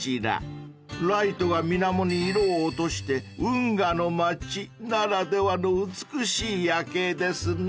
［ライトが水面に色を落として運河の街ならではの美しい夜景ですね］